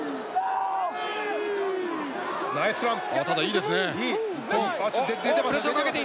ナイススクラム。